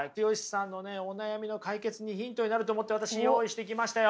さんのお悩みの解決にヒントになると思って私用意してきましたよ！